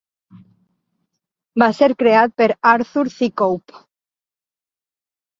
Va ser creat per Arthur C. Cope.